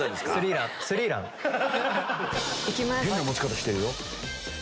変な持ち方してるよ。